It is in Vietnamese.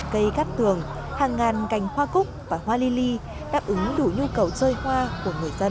ba mươi cây cát tường hàng ngàn cành hoa cúc và hoa lily đáp ứng đủ nhu cầu chơi hoa của người dân